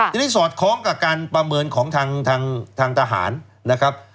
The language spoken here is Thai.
ทีนี้สอดคล้องกับการประเมินของทางทหารนะครับ